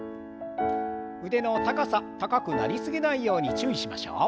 腕の高さ高くなりすぎないように注意しましょう。